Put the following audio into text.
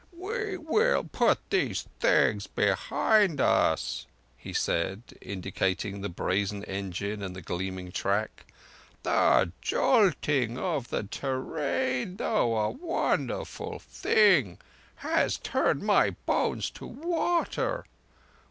"We will put these things behind us," he said, indicating the brazen engine and the gleaming track. "The jolting of the te rain—though a wonderful thing—has turned my bones to water.